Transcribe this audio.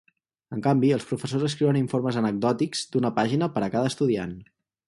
En canvi, els professors escriuen informes anecdòtics d'una pàgina per a cada estudiant.